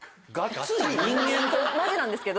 マジなんですけど。